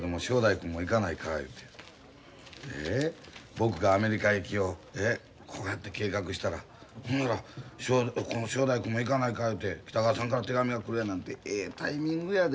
僕がアメリカ行きをこうやって計画したらほんなら正太夫君も行かないかいうて北川さんから手紙が来るやなんてええタイミングやで。